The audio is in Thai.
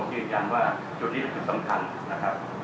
ผมยืนยังว่าแต่ตอนนี้เป็นผลที่สำคัญ